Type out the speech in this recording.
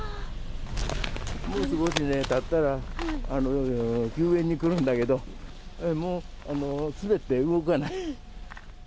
もう少したったら、救援に来るんだけど、もう滑って動かない。